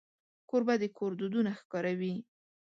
کوربه د کور دودونه ښکاروي.